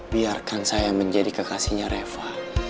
biarkan saya menjadi kekasihnya reva